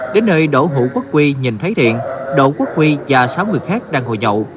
đến nơi đỗ hữu quốc huy nhìn thấy thiện đỗ quốc huy và sáu người khác đang ngồi nhậu